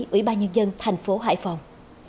ủy ba nhân dân thành phố hải phòng